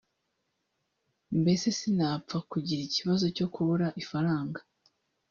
mbese sinapfa kugira ikibazo cyo kubura ifaranga”